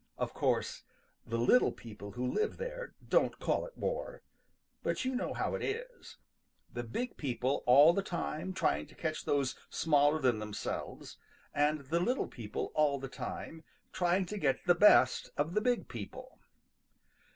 Of course, the little people who live there don't call it war, but you know how it is the big people all the time trying to catch those smaller than themselves, and the little people all the time trying to get the best of the big people.